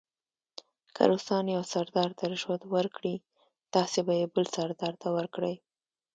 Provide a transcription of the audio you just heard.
که روسان یو سردار ته رشوت ورکړي تاسې به یې بل سردار ته ورکړئ.